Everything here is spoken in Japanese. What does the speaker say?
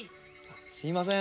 すいません。